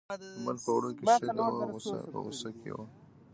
د ملک په وړو کې شګه وه په غوسه کې و.